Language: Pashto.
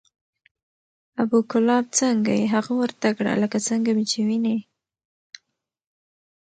ابو کلاب څنګه یې؟ هغه ورته کړه لکه څنګه مې چې وینې،